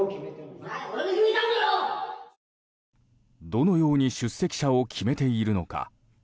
どのように出席者を決めているのか。